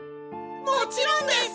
もちろんです！